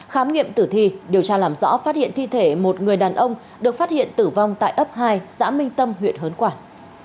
khám nghiệm tử thi điều tra làm rõ phát hiện thi thể một người đàn ông được phát hiện tử vong tại ấp hai xã minh tâm huyện hớn quản